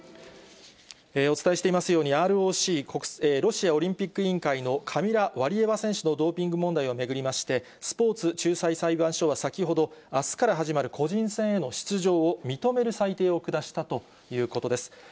お伝えしていますように、ＲＯＣ・ロシアオリンピック委員会のカミラ・ワリエワ選手のドーピング問題を巡りまして、スポーツ仲裁裁判所は先ほど、あすから始まる個人戦への出場を認める裁定を下したということです。